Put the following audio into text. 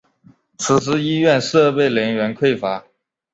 此时医院设备人员匮乏。